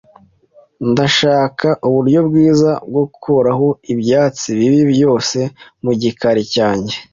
Ndashaka uburyo bwiza bwo gukuraho ibyatsi bibi byose mu gikari cyanjye.